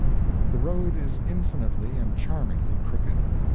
The road is infinitely and charmingly crooked.